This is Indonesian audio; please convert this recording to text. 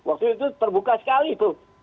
waktu itu terbuka sekali itu